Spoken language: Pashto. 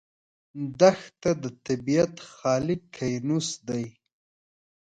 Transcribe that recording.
دښته د طبیعت خالي کینوس دی.